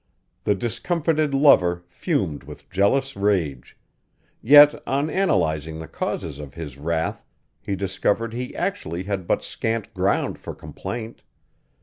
The discomfited lover fumed with jealous rage; yet on analyzing the causes of his wrath he discovered he actually had but scant ground for complaint.